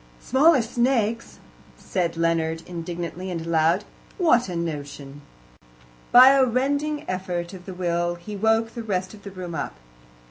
"Smaller snakes!" said Leonard indignantly and aloud. "What a notion!" By a rending effort of the will he woke the rest of the room up.